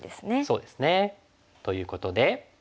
そうですね。ということで。